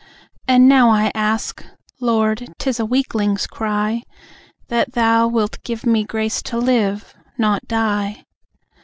And now I ask (Lord, 'tis a weakling's cry) That Thou wilt give me grace to live, not die.